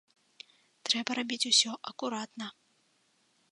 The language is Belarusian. Трэба рабіць усё акуратна.